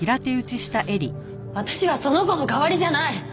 私はその子の代わりじゃない！